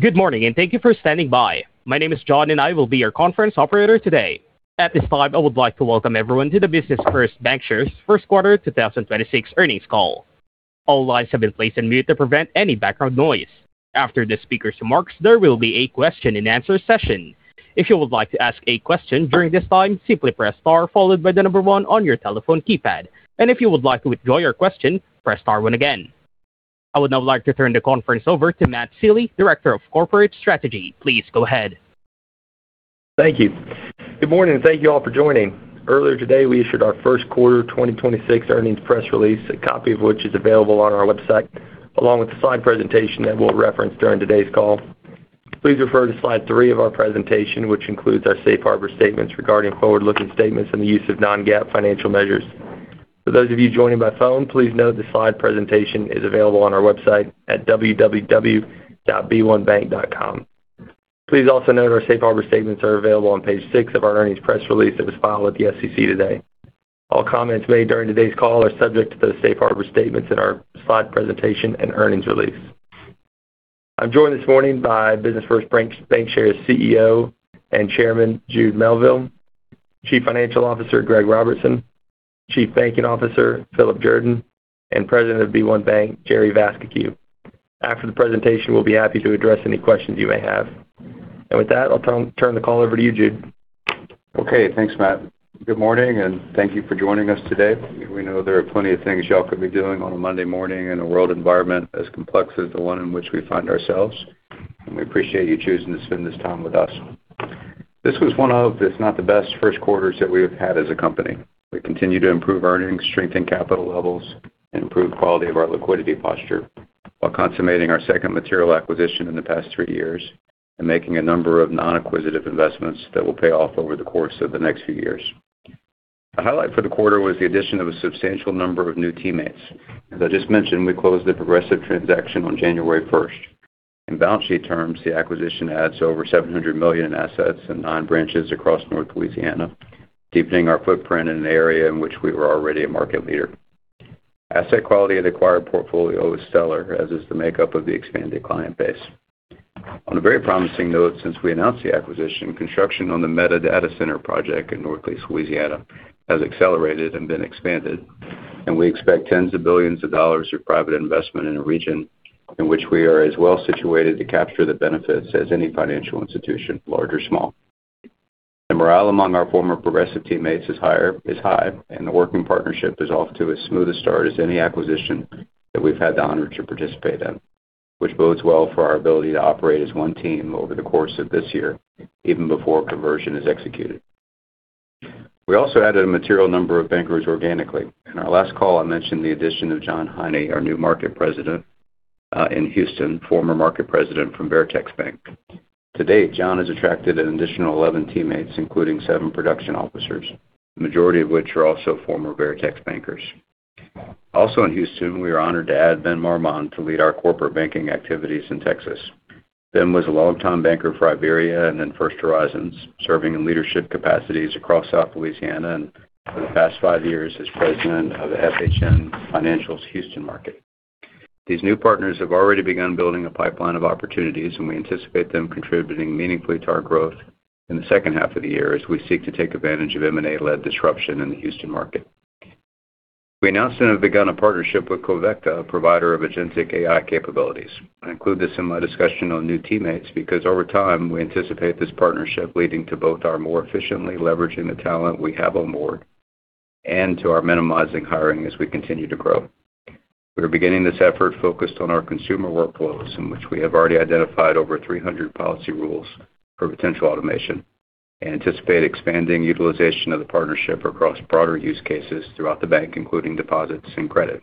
Good morning, and thank you for standing by. My name is John, and I will be your conference operator today. At this time, I would like to welcome everyone to the Business First Bancshares first quarter 2026 earnings call. All lines have been placed on mute to prevent any background noise. After the speaker's remarks, there will be a question-and-answer session. If you would like to ask a question during this time, simply press star followed by the number one on your telephone keypad. If you would like to withdraw your question, press star one again. I would now like to turn the conference over to Matt Sealy, Director of Corporate Strategy. Please go ahead. Thank you. Good morning, and thank you all for joining. Earlier today, we issued our first quarter 2026 earnings press release, a copy of which is available on our website, along with the slide presentation that we'll reference during today's call. Please refer to slide three of our presentation, which includes our safe harbor statements regarding forward-looking statements and the use of non-GAAP financial measures. For those of you joining by phone, please note the slide presentation is available on our website at www.b1bank.com. Please also note our safe harbor statements are available on page six of our earnings press release that was filed with the SEC today. All comments made during today's call are subject to those safe harbor statements in our slide presentation and earnings release. I'm joined this morning by Business First Bancshares' CEO and Chairman, Jude Melville, Chief Financial Officer, Greg Robertson, Chief Banking Officer, Philip Jordan, and President of b1BANK, Jerry Vascocu. After the presentation, we'll be happy to address any questions you may have. With that, I'll turn the call over to you, Jude. Okay. Thanks, Matt. Good morning, and thank you for joining us today. We know there are plenty of things y'all could be doing on a Monday morning in a world environment as complex as the one in which we find ourselves, and we appreciate you choosing to spend this time with us. This was one of, if not the best, first quarters that we have had as a company. We continue to improve earnings, strengthen capital levels, and improve quality of our liquidity posture while consummating our second material acquisition in the past three years and making a number of non-acquisitive investments that will pay off over the course of the next few years. A highlight for the quarter was the addition of a substantial number of new teammates. As I just mentioned, we closed the Progressive transaction on January 1st. In balance sheet terms, the acquisition adds over $700 million in assets and nine branches across North Louisiana, deepening our footprint in an area in which we were already a market leader. Asset quality of the acquired portfolio is stellar, as is the makeup of the expanded client base. On a very promising note, since we announced the acquisition, construction on the Meta Data Center project in Northlake, Louisiana, has accelerated and been expanded, and we expect tens of billions of dollars of private investment in a region in which we are as well situated to capture the benefits as any financial institution, large or small. The morale among our former Progressive teammates is high, and the working partnership is off to as smooth a start as any acquisition that we've had the honor to participate in, which bodes well for our ability to operate as one team over the course of this year, even before conversion is executed. We also added a material number of bankers organically. In our last call, I mentioned the addition of Jon Heine, our new market President in Houston, former market President from Veritex Bank. To date, Jon has attracted an additional 11 teammates, including seven production officers, the majority of which are also former Veritex bankers. Also in Houston, we are honored to add Ben Marmande to lead our corporate banking activities in Texas. Ben was a longtime banker for IBERIABANK and then First Horizon, serving in leadership capacities across South Louisiana and for the past five years as President of the FHN Financial's Houston market. These new partners have already begun building a pipeline of opportunities, and we anticipate them contributing meaningfully to our growth in the second half of the year as we seek to take advantage of M&A-led disruption in the Houston market. We announced and have begun a partnership with Covecta, a provider of agentic AI capabilities. I include this in my discussion on new teammates because over time, we anticipate this partnership leading to both our more efficiently leveraging the talent we have on board and to our minimizing hiring as we continue to grow. We are beginning this effort focused on our consumer workflows, in which we have already identified over 300 policy rules for potential automation and anticipate expanding utilization of the partnership across broader use cases throughout the bank, including deposits and credit.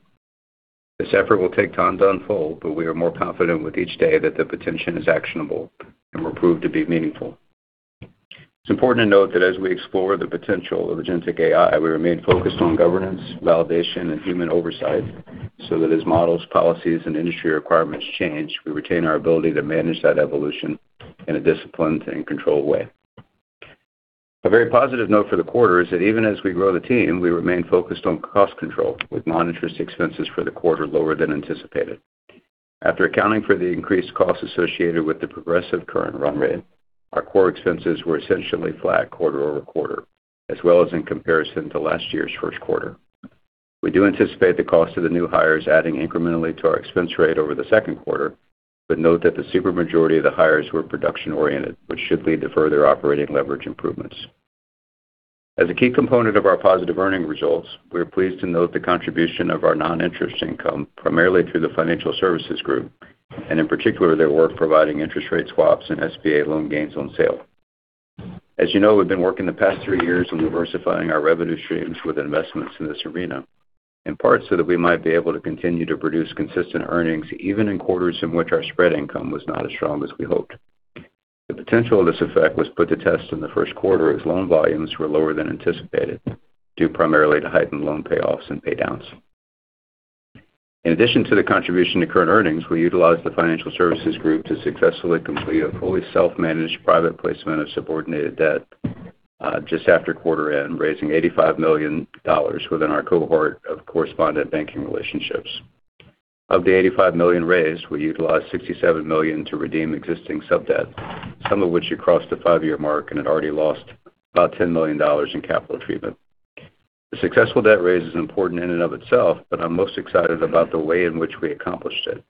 This effort will take time to unfold, but we are more confident with each day that the potential is actionable and will prove to be meaningful. It's important to note that as we explore the potential of agentic AI, we remain focused on governance, validation, and human oversight so that as models, policies, and industry requirements change, we retain our ability to manage that evolution in a disciplined and controlled way. A very positive note for the quarter is that even as we grow the team, we remain focused on cost control, with non-interest expenses for the quarter lower than anticipated. After accounting for the increased costs associated with the Progressive current run rate, our core expenses were essentially flat quarter-over-quarter, as well as in comparison to last year's first quarter. We do anticipate the cost of the new hires adding incrementally to our expense rate over the second quarter, but note that the supermajority of the hires were production-oriented, which should lead to further operating leverage improvements. As a key component of our positive earnings results, we are pleased to note the contribution of our non-interest income, primarily through the Financial Services Group, and in particular, their work providing interest rate swaps and SBA loan gains on sale. As you know, we've been working the past three years on diversifying our revenue streams with investments in this arena, in part so that we might be able to continue to produce consistent earnings even in quarters in which our spread income was not as strong as we hoped. The potential of this effect was put to test in the first quarter as loan volumes were lower than anticipated, due primarily to heightened loan payoffs and paydowns. In addition to the contribution to current earnings, we utilized the Financial Services Group to successfully complete a fully self-managed private placement of subordinated debt, just after quarter end, raising $85 million within our cohort of correspondent banking relationships. Of the $85 million raised, we utilized $67 million to redeem existing sub-debt, some of which had crossed the five-year mark and had already lost about $10 million in capital treatment. The successful debt raise is important in and of itself, but I'm most excited about the way in which we accomplished it,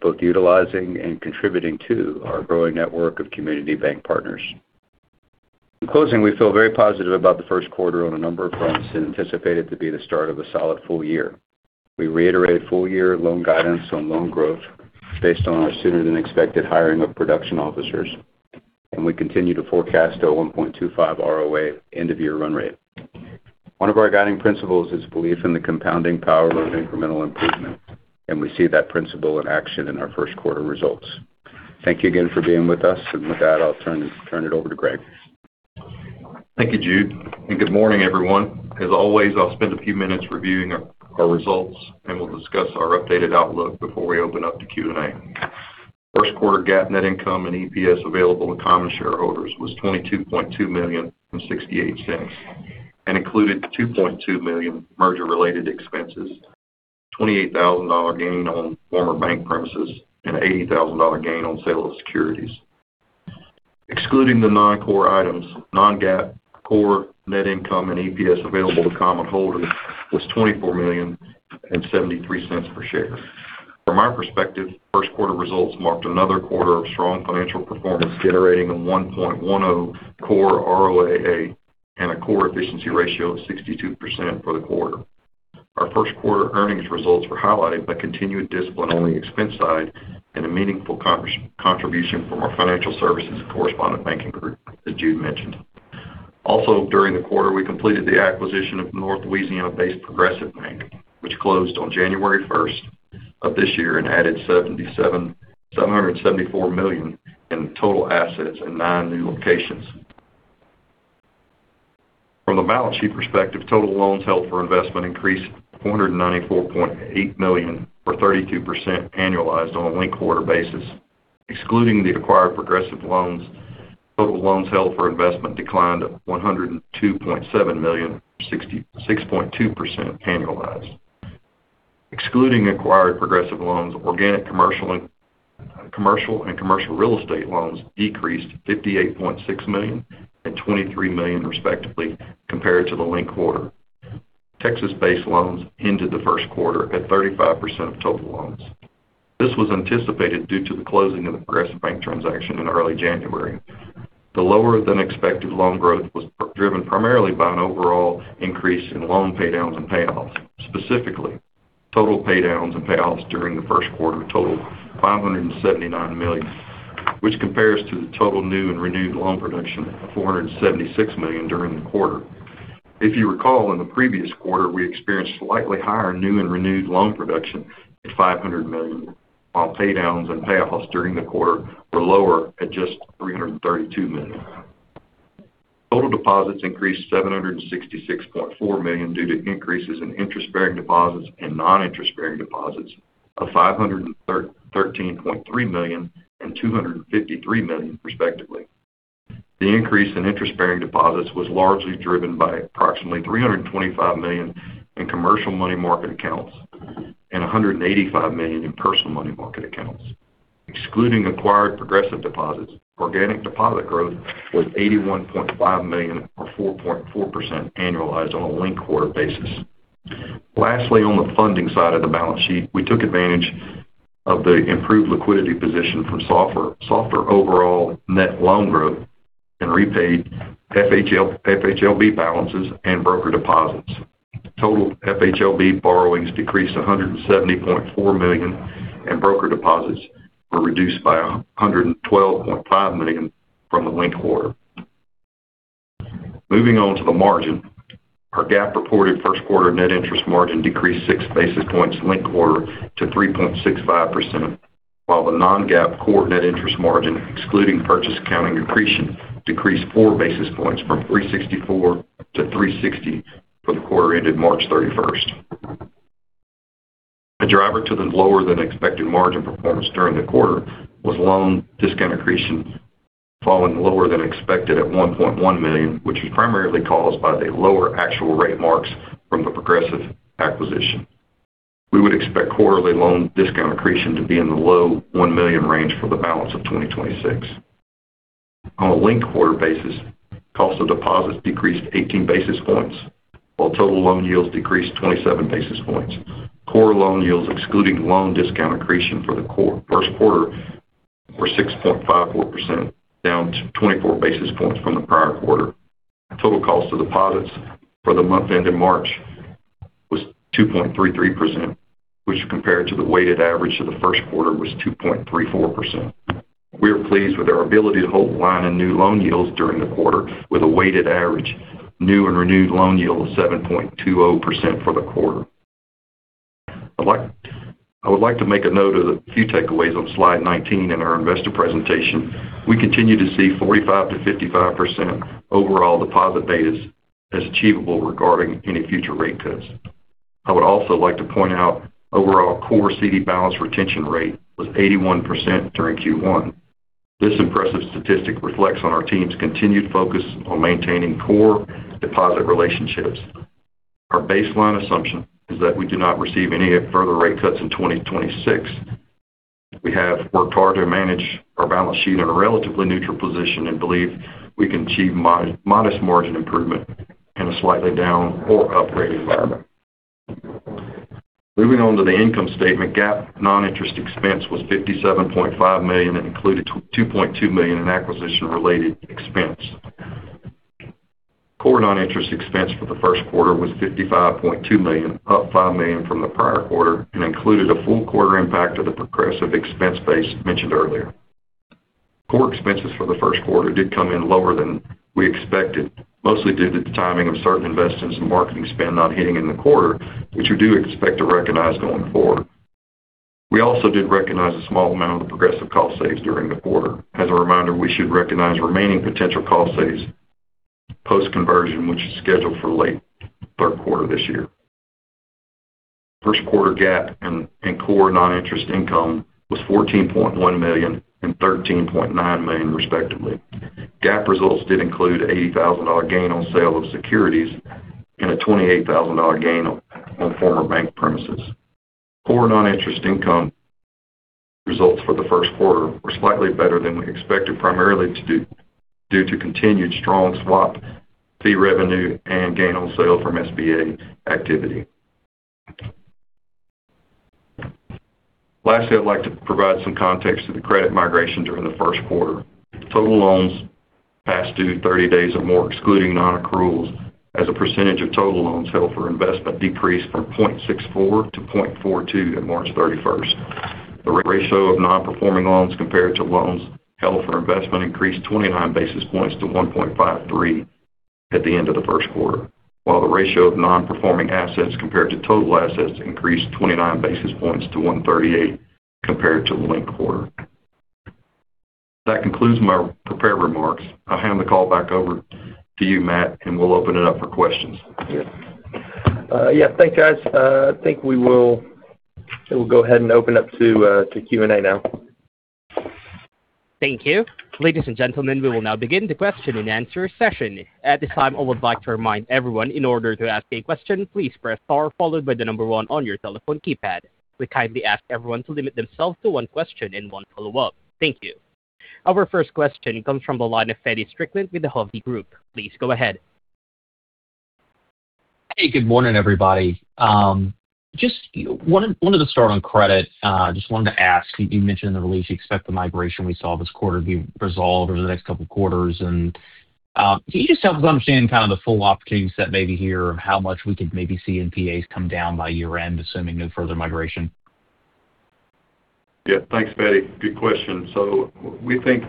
both utilizing and contributing to our growing network of community bank partners. In closing, we feel very positive about the first quarter on a number of fronts and anticipate it to be the start of a solid full year. We reiterated full-year loan guidance on loan growth based on our sooner-than-expected hiring of production officers, and we continue to forecast a 1.25 ROA end-of-year run rate. One of our guiding principles is belief in the compounding power of incremental improvement, and we see that principle in action in our first quarter results. Thank you again for being with us. With that, I'll turn it over to Greg. Thank you, Jude, and good morning, everyone. As always, I'll spend a few minutes reviewing our results, and we'll discuss our updated outlook before we open up to Q&A. First quarter GAAP net income and EPS available to common shareholders was $22.2 million and $0.68, and included $2.2 million merger-related expenses, $28,000 gain on former bank premises, and $80,000 gain on sale of securities. Excluding the non-core items, non-GAAP core net income and EPS available to common holders was $24 million and $0.73 per share. From our perspective, first-quarter results marked another quarter of strong financial performance, generating a 1.10% core ROAA and a core efficiency ratio of 62% for the quarter. Our first quarter earnings results were highlighted by continued discipline on the expense side and a meaningful contribution from our financial services correspondent banking group that Jude mentioned. Also, during the quarter, we completed the acquisition of North Louisiana-based Progressive Bank, which closed on January 1 of this year and added $774 million in total assets and nine new locations. From the balance sheet perspective, total loans held for investment increased $494.8 million, or 32% annualized on a linked-quarter basis. Excluding the acquired Progressive loans, total loans held for investment declined $102.7 million, or 6.2% annualized. Excluding acquired Progressive loans, organic commercial and commercial real estate loans decreased $58.6 million and $23 million, respectively, compared to the linked quarter. Texas-based loans ended the first quarter at 35% of total loans. This was anticipated due to the closing of the Progressive Bank transaction in early January. The lower-than-expected loan growth was primarily driven by an overall increase in loan paydowns and payoffs. Specifically, total paydowns and payoffs during the first quarter totaled $579 million, which compares to the total new and renewed loan production of $476 million during the quarter. If you recall, in the previous quarter, we experienced slightly higher new and renewed loan production at $500 million, while paydowns and payoffs during the quarter were lower at just $332 million. Total deposits increased $766.4 million due to increases in interest-bearing deposits and non-interest-bearing deposits of $513.3 million and $253 million, respectively. The increase in interest-bearing deposits was largely driven by approximately $325 million in commercial money market accounts and $185 million in personal money market accounts. Excluding acquired Progressive deposits, organic deposit growth was $81.5 million or 4.4% annualized on a linked-quarter basis. Lastly, on the funding side of the balance sheet, we took advantage of the improved liquidity position from softer overall net loan growth and repaid FHLB balances and broker deposits. Total FHLB borrowings decreased $170.4 million, and broker deposits were reduced by $112.5 million from the linked quarter. Moving on to the margin, our GAAP-reported first quarter net interest margin decreased 6 basis points linked quarter to 3.65%, while the non-GAAP core net interest margin, excluding purchase accounting accretion, decreased 4 basis points from 3.64% to 3.60% for the quarter ended March 31. A driver to the lower-than-expected margin performance during the quarter was loan discount accretion falling lower than expected at $1.1 million, which was primarily caused by the lower actual rate marks from the Progressive acquisition. We would expect quarterly loan discount accretion to be in the low $1 million range for the balance of 2026. On a linked-quarter basis, cost of deposits decreased 18 basis points, while total loan yields decreased 27 basis points. Core loan yields, excluding loan discount accretion for the first quarter, were 6.54%, down to 24 basis points from the prior quarter. Total cost of deposits for the month end in March was 2.33%, which compared to the weighted average for the first quarter was 2.34%. We are pleased with our ability to hold the line in new loan yields during the quarter, with a weighted average new and renewed loan yield of 7.20% for the quarter. I would like to make a note of the few takeaways on slide 19 in our investor presentation. We continue to see 45%-55% overall deposit betas as achievable regarding any future rate cuts. I would also like to point out overall core CD balance retention rate was 81% during Q1. This impressive statistic reflects on our team's continued focus on maintaining core deposit relationships. Our baseline assumption is that we do not receive any further rate cuts in 2026. We have worked hard to manage our balance sheet in a relatively neutral position and believe we can achieve modest margin improvement in a slightly down or up rate environment. Moving on to the income statement, GAAP non-interest expense was $57.5 million, and included $2.2 million in acquisition-related expense. Core non-interest expense for the first quarter was $55.2 million, up $5 million from the prior quarter, and included a full quarter impact of the Progressive expense base mentioned earlier. Core expenses for the first quarter did come in lower than we expected, mostly due to the timing of certain investments and marketing spend not hitting in the quarter, which we do expect to recognize going forward. We also did recognize a small amount of Progressive cost saves during the quarter. As a reminder, we should recognize remaining potential cost saves post-conversion, which is scheduled for late third quarter this year. First quarter GAAP and core non-interest income was $14.1 million and $13.9 million, respectively. GAAP results did include $80,000 gain on sale of securities and a $28,000 gain on former bank premises. Core non-interest income results for the first quarter were slightly better than we expected, primarily due to continued strong swap fee revenue and gain on sale from SBA activity. Lastly, I'd like to provide some context to the credit migration during the first quarter. Total loans past due 30 days or more, excluding non-accruals, as a percentage of total loans held for investment decreased from 0.64% to 0.42% at March 31. The ratio of nonperforming loans compared to loans held for investment increased 29 basis points to 1.53% at the end of the first quarter, while the ratio of nonperforming assets compared to total assets increased 29 basis points to 1.38% compared to the linked quarter. That concludes my prepared remarks. I'll hand the call back over to you, Matt, and we'll open it up for questions. Yeah, thanks, guys. I think we'll go ahead and open up to Q&A now. Thank you. Ladies and gentlemen, we will now begin the question-and-answer session. At this time, I would like to remind everyone, in order to ask a question, please press star followed by the number one on your telephone keypad. We kindly ask everyone to limit themselves to one question and one follow-up. Thank you. Our first question comes from the line of Feddie Strickland with Hovde Group. Please go ahead. Hey, good morning, everybody. Just wanted to start on credit. Just wanted to ask, you mentioned in the release you expect the migration we saw this quarter to be resolved over the next couple of quarters. Can you just help us understand, kind of the full opportunity set, maybe here, of how much we could maybe see NPAs come down by year-end, assuming no further migration? Yeah. Thanks, Feddie. Good question. We think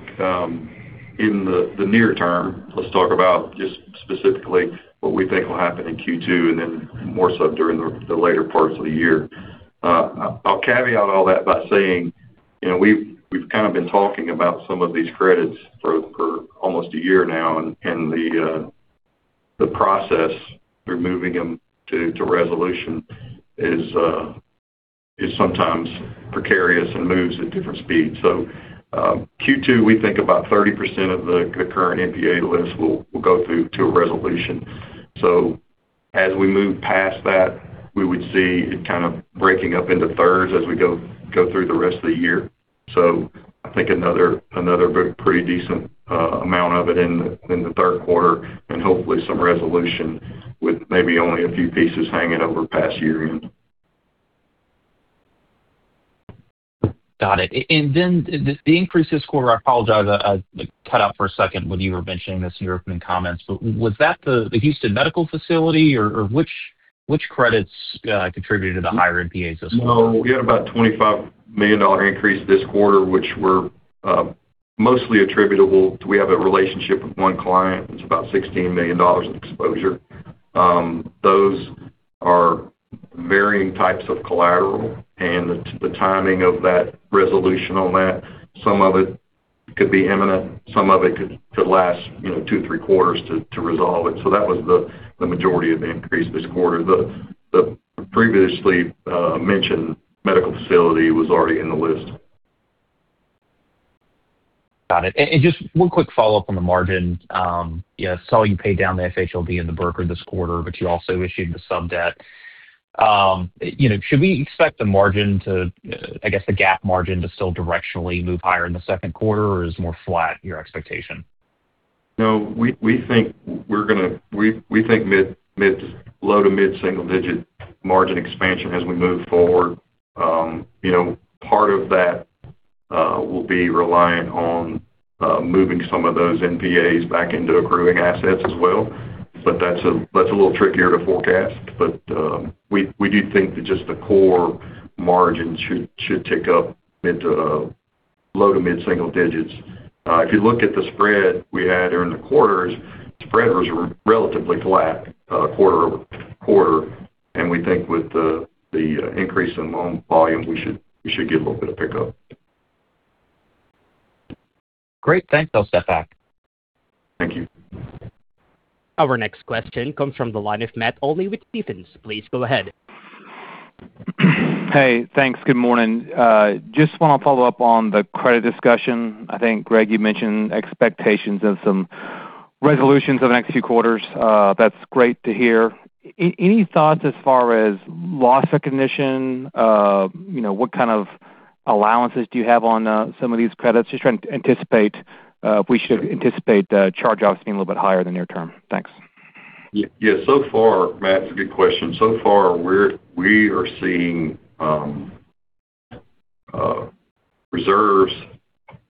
in the near term, let's talk about just specifically what we think will happen in Q2 and then more so during the later parts of the year. I'll caveat all that by saying, you know, we've kind of been talking about some of these credits for almost a year now, and the process through moving them to resolution is sometimes precarious and moves at different speeds. Q2, we think about 30% of the current NPA list will go through to a resolution. As we move past that, we would see it kind of breaking up into thirds as we go through the rest of the year. I think another pretty decent amount of it in the third quarter, and hopefully some resolution with maybe only a few pieces hanging over past year-end. Got it. The increase this quarter, I apologize, I cut out for a second when you were mentioning this in your opening comments. Was that the Houston medical facility, or which credits contributed to the higher NPAs this quarter? No. We had about a $25 million increase this quarter, which were mostly attributable to, we have a relationship with one client. It's about $16 million in exposure. Those are varying types of collateral, and the timing of that resolution on that, some of it could be imminent, some of it could last, you know, two, three quarters to resolve it. So that was the majority of the increase this quarter. The previously mentioned medical facility was already in the list. Got it. Just one quick follow-up on the margin. Saw you paid down the FHLB and the brokered this quarter, but you also issued the sub-debt. You know, should we expect the margin to, I guess, the GAAP margin to still directionally move higher in the second quarter, or is it more flat, your expectation? No, we think low- to mid-single-digit margin expansion as we move forward. You know, part of that will be reliant on moving some of those NPAs back into accruing assets as well, but that's a little trickier to forecast. We do think that just the core margin should tick up into low- to mid-single digits. If you look at the spread we had during the quarters, spread was relatively flat quarter-over-quarter, and we think with the increase in loan volume, we should get a little bit of pickup. Great. Thanks. I'll step back. Thank you. Our next question comes from the line of Matt Olney with Stephens. Please go ahead. Hey, thanks. Good morning. Just wanna follow up on the credit discussion. I think, Greg, you mentioned expectations of some resolutions in the next few quarters. That's great to hear. Any thoughts as far as loss recognition? You know, what kind of allowances do you have on some of these credits? Just trying to anticipate if we should anticipate the charge-offs being a little bit higher in the near term. Thanks. Yes. Matt, it's a good question. So far, we are seeing reserves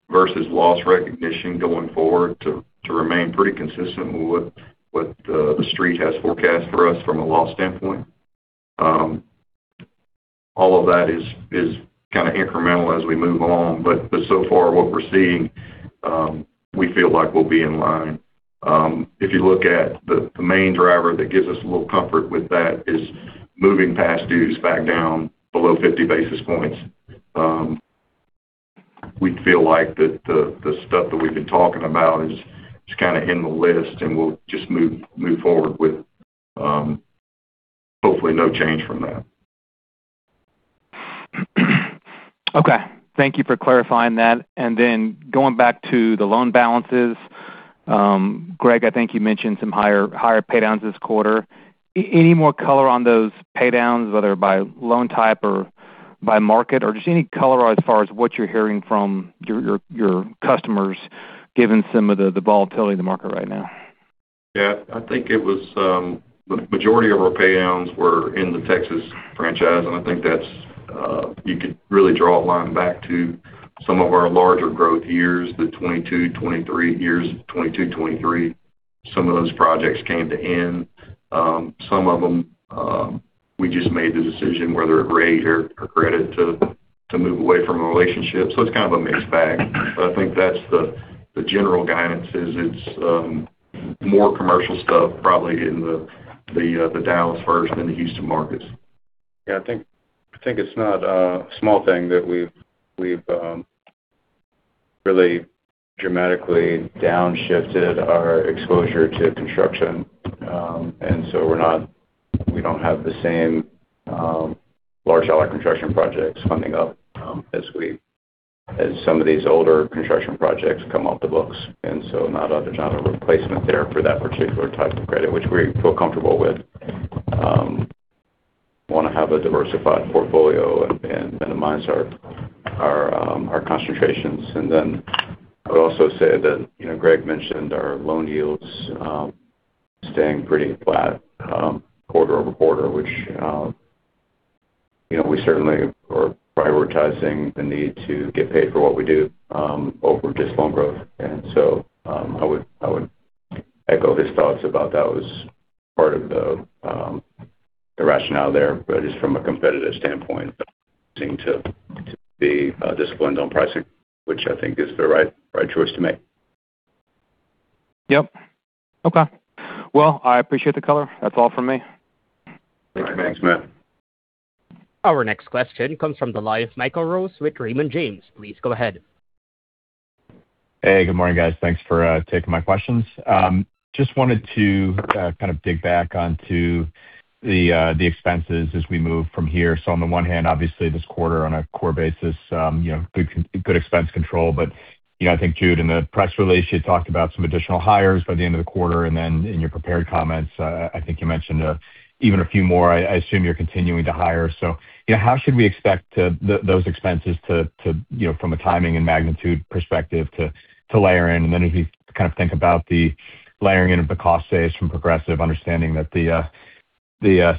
versus loss recognition going forward to remain pretty consistent with what the street has forecast for us from a loss standpoint. All of that is kinda incremental as we move along. But so far, what we're seeing, we feel like we'll be in line. If you look at the main driver that gives us a little comfort with that is moving past dues back down below 50 basis points. We feel like the stuff that we've been talking about is just kinda in the list, and we'll just move forward with hopefully no change from that. Okay. Thank you for clarifying that. Going back to the loan balances, Greg, I think you mentioned some higher paydowns this quarter. Any more color on those pay downs, whether by loan type or by market or just any color as far as what you're hearing from your customers, given some of the volatility in the market right now? Yeah. I think it was the majority of our pay downs were in the Texas franchise, and I think that's you could really draw a line back to some of our larger growth years, the 2022, 2023 years. 2022, 2023, some of those projects came to end. Some of them, we just made the decision whether a rate or credit to move away from a relationship. It's kind of a mixed bag. I think that's the general guidance is it's more commercial stuff probably in the Dallas-Fort and the Houston markets. Yeah. I think it's not a small thing that we've really dramatically downshifted our exposure to construction. We don't have the same large dollar construction projects coming up as some of these older construction projects come off the books, not a replacement there for that particular type of credit, which we feel comfortable with. We wanna have a diversified portfolio and minimize our concentrations. Then I would also say that, you know, Greg mentioned our loan yields staying pretty flat quarter-over-quarter, which, you know, we certainly are prioritizing the need to get paid for what we do over just loan growth. I would echo his thoughts about that was part of the rationale there. Just from a competitive standpoint, we seem to be disciplined on pricing, which I think is the right choice to make. Yep. Okay. Well, I appreciate the color. That's all for me. Thanks, Matt. Our next question comes from the line of Michael Rose with Raymond James. Please go ahead. Hey, good morning, guys. Thanks for taking my questions. Just wanted to kind of dig back onto the expenses as we move from here. On the one hand, obviously, this quarter on a core basis, you know, good expense control. You know, I think, Jude, in the press release, you talked about some additional hires by the end of the quarter. Then, in your prepared comments, I think you mentioned even a few more. I assume you're continuing to hire. You know, how should we expect those expenses to, you know, from a timing and magnitude perspective to layer in? Then, if you kind of think about the layering in of the cost saves from Progressive, understanding that the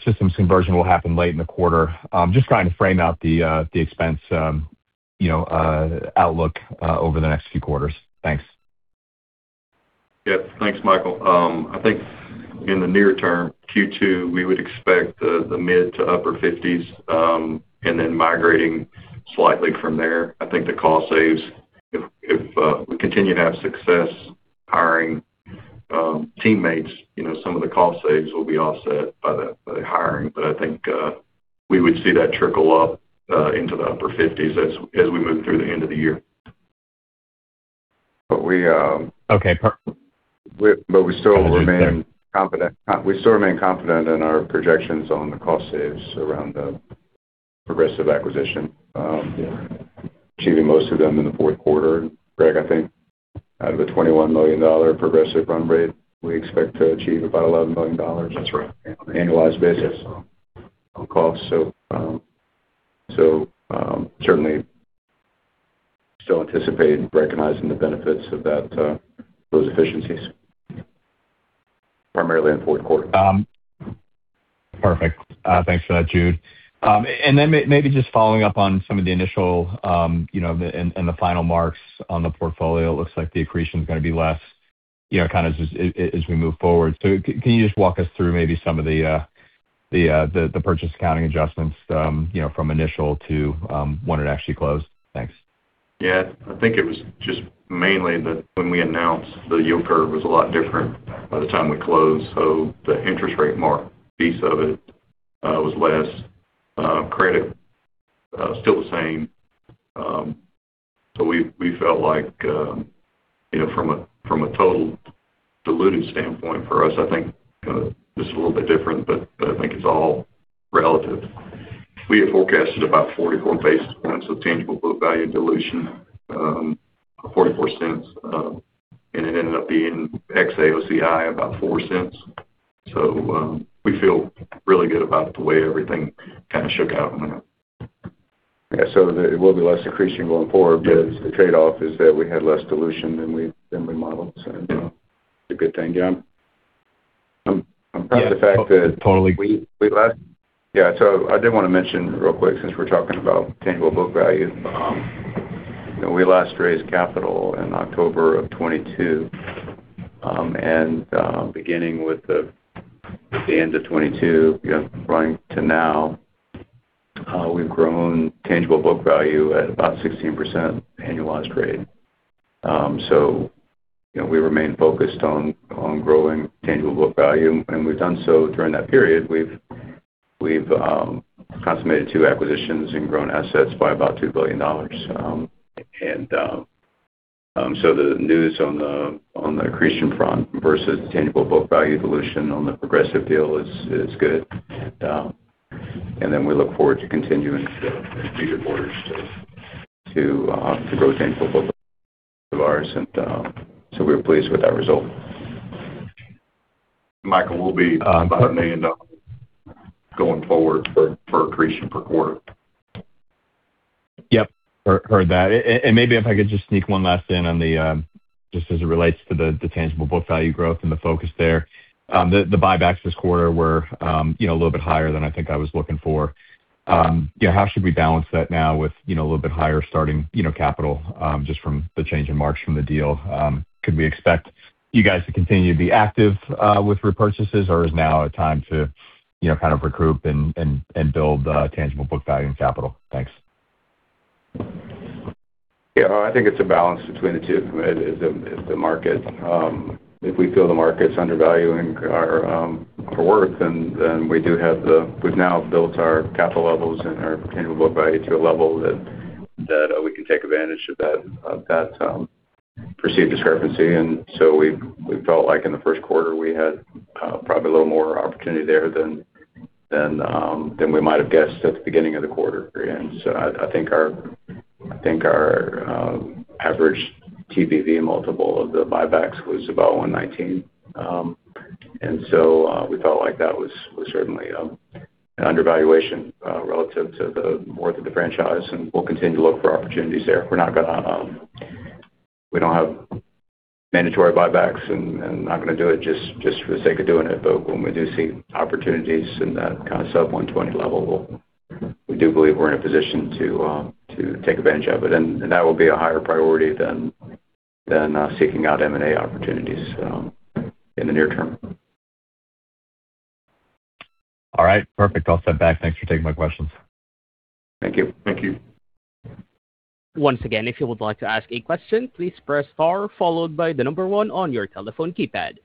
system's conversion will happen late in the quarter. Just trying to frame out the expense, you know, outlook over the next few quarters. Thanks. Yep. Thanks, Michael. I think in the near term, Q2, we would expect the mid to upper 50s, and then migrating slightly from there. I think the cost saves, if we continue to have success hiring teammates, you know, some of the cost saves will be offset by the hiring. But I think we would see that trickle up into the upper 50s as we move through the end of the year. But we.. Okay. We still remain confident in our projections on the cost savings around the Progressive acquisition, achieving most of them in the fourth quarter. Greg, I think out of the $21 million Progressive run rate, we expect to achieve about $11 million. That's right. On an annualized basis on cost. Certainly still anticipate recognizing the benefits of that, those efficiencies primarily in fourth quarter. Perfect. Thanks for that, Jude. Maybe just following up on some of the initial and the final marks on the portfolio. Looks like the accretion is gonna be less, you know, kind of as we move forward. Can you just walk us through maybe some of the purchase accounting adjustments, you know, from initial to when it actually closed? Thanks. Yeah. I think it was just mainly that when we announced, the yield curve was a lot different by the time we closed. The interest rate mark piece of it was less credit, still the same. We felt like, you know, from a total dilutive standpoint, for us, I think this is a little bit different, but I think it's all relative. We had forecasted about 44 basis points of tangible book value dilution, $0.44, and it ended up being ex-AOCI about $0.04. We feel really good about the way everything kind of shook out. Yeah. It will be less accretion going forward, but the trade-off is that we had less dilution than we modeled. It's a good thing. Yeah. I'm proud of the fact that- Yeah. Totally. I did want to mention real quick, since we're talking about tangible book value. We last raised capital in October 2022. Beginning with the end of 2022, you know, running to now, we've grown tangible book value at about 16% annualized rate. We remain focused on growing tangible book value, and we've done so during that period. We've consummated two acquisitions and grown assets by about $2 billion. The news on the accretion front versus tangible book value dilution on the Progressive deal is good. We look forward to continuing to grow tangible book values of ours. We're pleased with that result. Michael, we'll be about $1 million going forward for accretion per quarter. Yep. Heard that. Maybe if I could just sneak one last in on just as it relates to the tangible book value growth and the focus there. The buybacks this quarter were, you know, a little bit higher than I think I was looking for. You know, how should we balance that now with, you know, a little bit higher starting, you know, capital just from the change in marks from the deal? Could we expect you guys to continue to be active with repurchases? Or is now a time to, you know, kind of recoup and build tangible book value and capital? Thanks. I think it's a balance between the two. If we feel the market's undervaluing our worth, then we've now built our capital levels and our tangible book value to a level that we can take advantage of that perceived discrepancy. We've felt like, in the first quarter, we had probably a little more opportunity there than we might have guessed at the beginning of the quarter. I think our average TBV multiple of the buybacks was about 1.19. We felt like that was certainly an undervaluation relative to the worth of the franchise, and we'll continue to look for opportunities there. We're not gonna We don't have mandatory buybacks, and not gonna do it just for the sake of doing it. When we do see opportunities in that kind of sub-120 level, we do believe we're in a position to take advantage of it. That will be a higher priority than seeking out M&A opportunities in the near term. All right. Perfect. I'll step back. Thanks for taking my questions. Thank you. Thank you. Once again, if you would like to ask a question, please press star followed by one on your telephone keypad.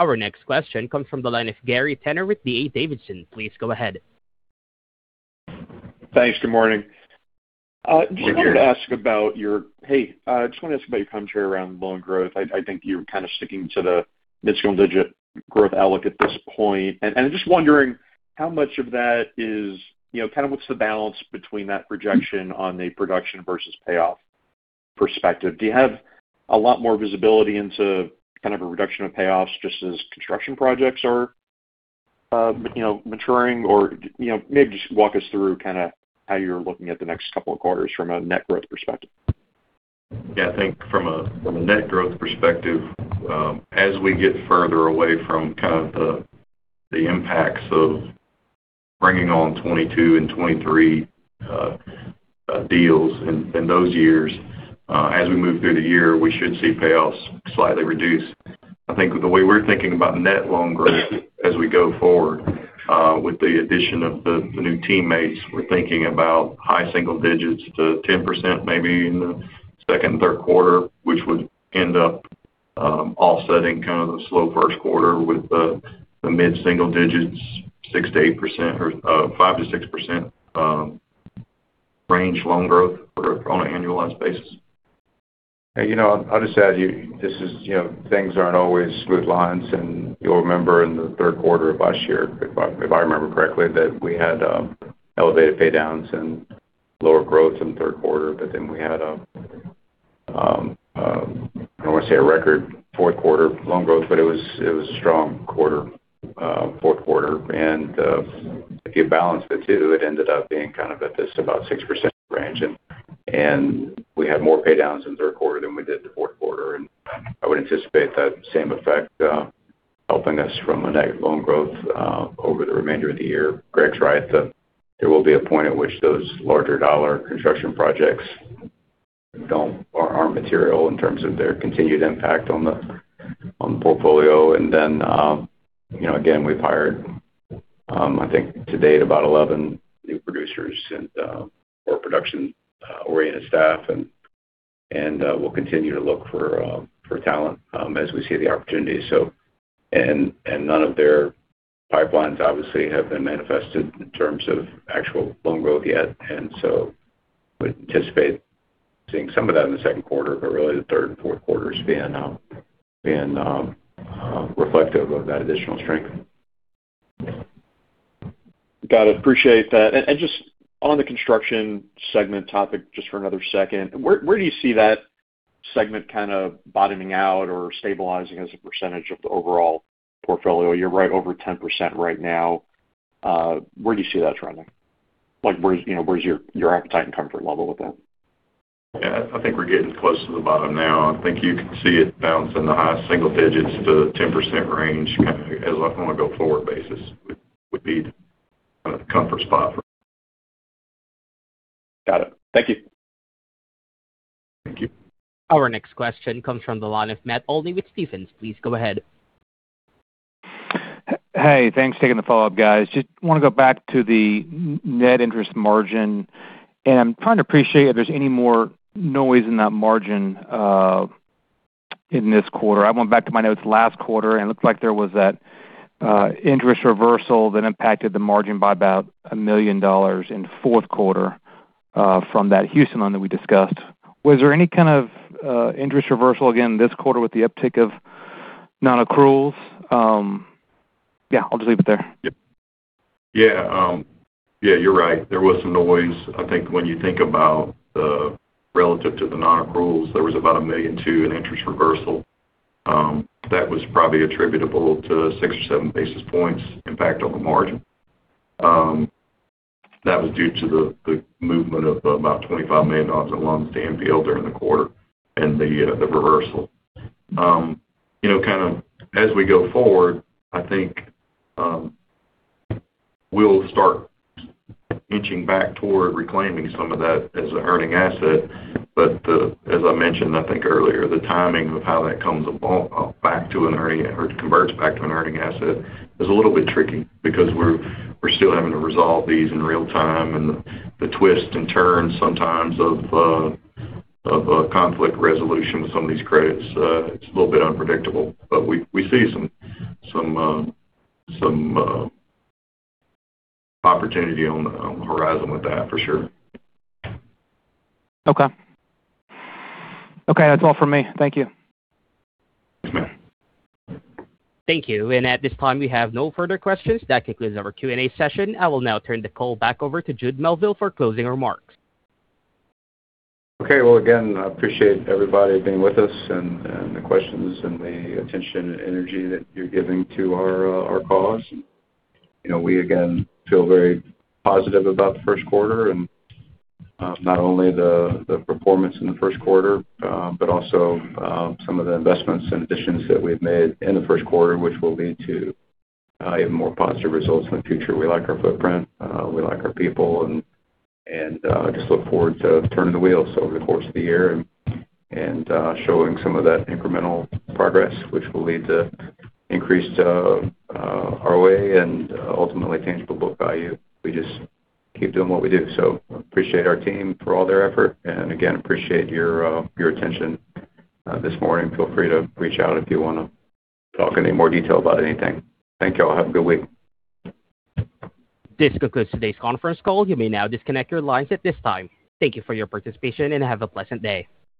Our next question comes from the line of Gary Tenner with D.A. Davidson. Please go ahead. Thanks. Good morning. Good morning. Just want to ask about your commentary around loan growth. I think you're kind of sticking to the mid-single-digit growth outlook at this point. I'm just wondering how much of that is, you know, kind of what's the balance between that projection on a production versus payoff perspective? Do you have a lot more visibility into kind of reduction of payoffs, just as construction projects are, you know, maturing? Or, you know, maybe just walk us through, kinda, how you're looking at the next couple of quarters from a net growth perspective. Yeah, I think from a net growth perspective, as we get further away from kind of the impacts of bringing on 2022 and 2023 deals in those years, as we move through the year, we should see payoffs slightly reduce. I think the way we're thinking about net loan growth as we go forward, with the addition of the new teammates, we're thinking about high single digits to 10% maybe in the second and third quarter, which would end up offsetting kind of the slow first quarter with the mid single digits, 6%-8% or 5%-6% range loan growth on an annualized basis. You know, I'll just add here, this is, you know, things aren't always smooth lines. You'll remember in the third quarter of last year, if I remember correctly, that we had elevated pay downs and lower growth in the third quarter. Then we had I don't wanna say a record fourth quarter loan growth, but it was a strong quarter, fourth quarter. If you balance the two, it ended up being kind of at this about 6% range. We had more paydowns in the third quarter than we did the fourth quarter. I would anticipate that same effect helping us from a net loan growth over the remainder of the year. Greg's right, that, there will be a point at which those larger dollar construction projects are material in terms of their continued impact on the portfolio. Then, you know, again, we've hired, I think to date, about 11 new producers and more production-oriented staff. We'll continue to look for talent as we see the opportunity. None of their pipelines obviously have been manifested in terms of actual loan growth yet, and so we anticipate seeing some of that in the second quarter, but really the third and fourth quarters being reflective of that additional strength. Got it. Appreciate that. Just on the construction segment topic, just for another second, where do you see that segment kind of bottoming out or stabilizing as a percentage of the overall portfolio? You're right over 10% right now. Where do you see that trending? Like, you know, where's your appetite and comfort level with that? Yeah. I think we're getting close to the bottom now. I think you can see it bounce in the high single digits-10% range, kind of as on a go-forward basis would be kind of the comfort spot for me. Got it. Thank you. Thank you. Our next question comes from the line of Matt Olney with Stephens. Please go ahead. Hey, thanks for taking the follow-up, guys. Just wanna go back to the net interest margin, and I'm trying to appreciate if there's any more noise in that margin in this quarter. I went back to my notes last quarter, and it looked like there was that interest reversal that impacted the margin by about $1 million in the fourth quarter from that Houston loan that we discussed. Was there any kind of interest reversal again this quarter with the uptick of non-accruals? Yeah, I'll just leave it there. Yep. Yeah, you're right. There was some noise. I think when you think about the relative to the non-accruals, there was about $1.2 million in interest reversal. That was probably attributable to 6-7 basis points impact on the margin. That was due to the movement of about $25 million in loans to NPL during the quarter and the reversal. You know, kind of as we go forward, I think we'll start inching back toward reclaiming some of that as an earning asset. As I mentioned, I think earlier, the timing of how that comes involved back to an earning or converts back to an earning asset is a little bit tricky because we're still having to resolve these in real time, and the twists and turns sometimes of a conflict resolution with some of these credits, it's a little bit unpredictable. We see some opportunity on the horizon with that, for sure. Okay. Okay, that's all for me. Thank you. Okay. Thank you. At this time, we have no further questions. That concludes our Q&A session. I will now turn the call back over to Jude Melville for closing remarks. Okay. Well, again, I appreciate everybody being with us and the questions and the attention and energy that you're giving to our cause. You know, we again feel very positive about the first quarter and not only the performance in the first quarter, but also some of the investments and additions that we've made in the first quarter, which will lead to even more positive results in the future. We like our footprint. We like our people and just look forward to turning the wheels over the course of the year and showing some of that incremental progress, which will lead to increased ROA and ultimately tangible book value. We just keep doing what we do. Appreciate our team for all their effort, and again, appreciate your attention this morning. Feel free to reach out if you wanna talk any more detail about anything. Thank you all. Have a good week. This concludes today's conference call. You may now disconnect your lines at this time. Thank you for your participation, and have a pleasant day.